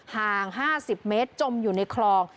ห่าง๕๐เมตรจมอยู่ในคลอง